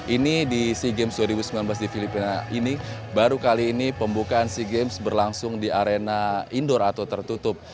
ini di sea games dua ribu sembilan belas di filipina ini baru kali ini pembukaan sea games berlangsung di arena indoor atau tertutup